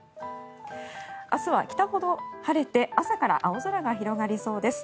明日は北ほど晴れて朝から青空が広がりそうです。